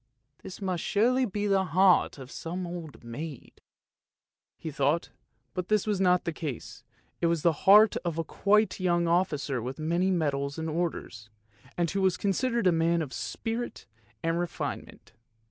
;< This must surely be the heart of some old maid! " he thought, but this was not the case, it was the heart of quite a young officer with many medals and orders, and who was considered a man of spirit and refinement.